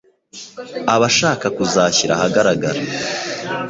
aba ashaka kuzashyira ahagaragara.